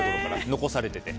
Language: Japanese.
残されてて。